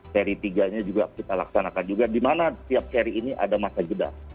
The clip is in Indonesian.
seri tiga nya juga kita laksanakan juga di mana setiap seri ini ada masa jeda